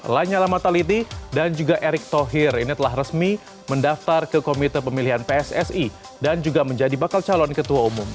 lanyala mataliti dan juga erick thohir ini telah resmi mendaftar ke komite pemilihan pssi dan juga menjadi bakal calon ketua umum